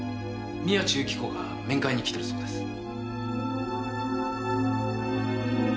宮地由起子が面会に来てるそうです。